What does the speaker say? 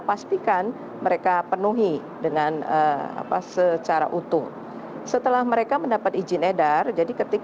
pastikan mereka penuhi dengan apa secara utuh setelah mereka mendapat izin edar jadi ketika